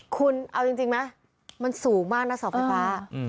คุณเอาจริงจริงไหมมันสูงมากน่ะสอบไฟฟ้าอืม